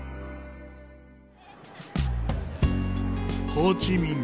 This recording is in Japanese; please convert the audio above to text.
ホーチミン